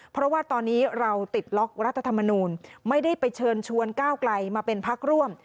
เพราะว่าตอนนี้เราติดล็อกรัฐธรรมนูลไม่ได้ไปเชิญชวนก้าวไกลมาเป็นพักร่วม